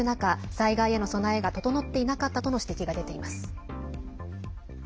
災害への備えが整っていなかったとの指摘が出ています。